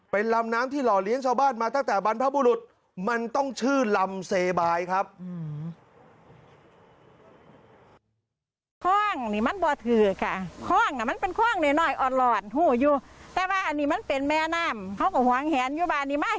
เป็นลำน้ำที่หล่อเลี้ยงชาวบ้านมาตั้งแต่บรรพบุรุษมันต้องชื่อลำเซบายครับ